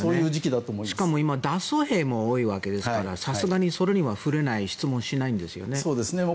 しかも今、脱走兵も多いわけですからさすがにそれには触れないし質問しないんですよね。